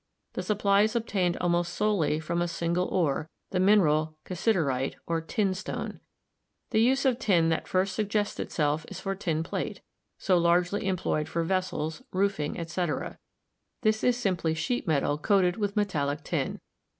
The supply is obtained almost solely from a single ore, the mineral cassiterite, or tin stone. The use of tin that first suggests itself is for tin plate, so largely employed for vessels, roof ing, etc.; this is simply sheet iron coated with metallic tin.